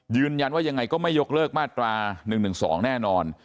ยืนยันว่ายังไงก็ไม่ยกเลิกมาตรา๑๑๒แน่นอน